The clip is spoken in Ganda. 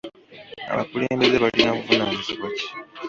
Abakulembeze balina buvunaanyizibwa ki?